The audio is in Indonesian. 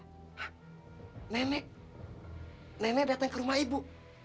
ah nenek nenek datang ke rumah ibu